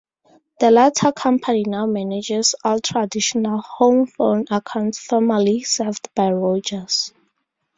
The latter company now manages all traditional home-phone accounts formerly served by Rogers.